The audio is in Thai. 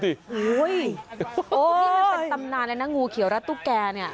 นี่มันเป็นตำนานเลยนะงูเขียวรัดตุ๊กแกเนี่ย